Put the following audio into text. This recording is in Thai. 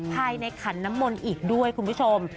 ภายในขันน้ำมนต์อีกด้วยคุณผู้ชม